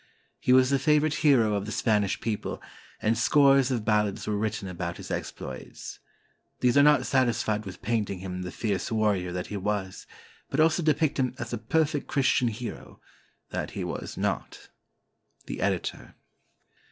He was the favorite hero of the Spanish people, and scores of ballads were written about his exploits. These are not satisfied with painting him the fierce warrior that he was, but also depict him as the perfect Christian hero, that he was not. The Editor.